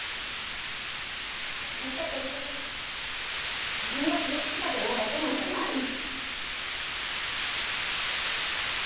それって結局自分が傷つきたくないだけなんじゃないの？